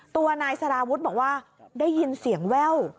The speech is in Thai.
ตัวนายสารวุฒิบอกว่าได้ยินเสียงแว่ว